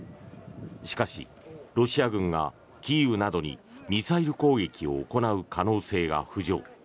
しかし、ロシア軍がキーウなどにミサイル攻撃を行う可能性が浮上。